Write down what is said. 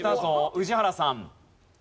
宇治原さん。